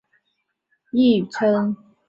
亦称白胸侧颈龟。